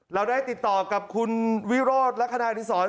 เราได้ติดต่อกับคุณวิโรธและคณะอาทิสร